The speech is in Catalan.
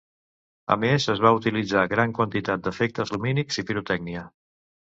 A més es va utilitzar gran quantitat d'efectes lumínics i pirotècnia.